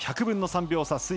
１００分の３秒差